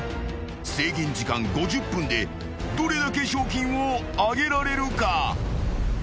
［制限時間５０分でどれだけ賞金を上げられるか］